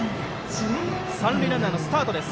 三塁ランナーのスタートです。